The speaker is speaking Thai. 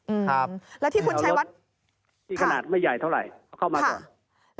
เอารถที่ขนาดกระจกก็ไม่ใหญ่เท่าไหร่